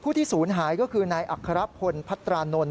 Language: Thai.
ที่ศูนย์หายก็คือนายอัครพลพัตรานนท์